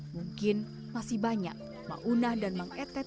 mungkin masih banyak maunah dan mang etet